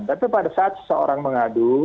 tapi pada saat seseorang mengadu